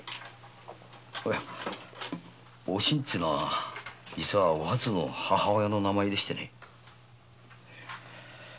お新というのは実はお初の母親の名前でしてね。